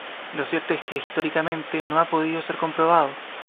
Lo cierto es que, históricamente, no ha podido ser comprobado.